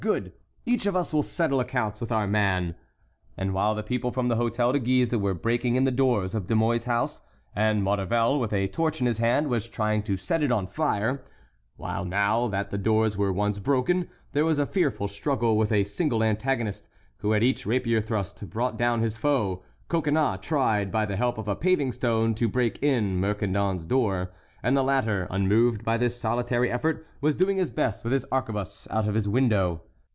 Good! Each of us will settle accounts with our man." And, while the people from the Hôtel de Guise were breaking in the doors of De Mouy's house, and Maurevel, with a torch in his hand, was trying to set it on fire—while now that the doors were once broken, there was a fearful struggle with a single antagonist who at each rapier thrust brought down his foe—Coconnas tried, by the help of a paving stone, to break in Mercandon's door, and the latter, unmoved by this solitary effort, was doing his best with his arquebuse out of his window.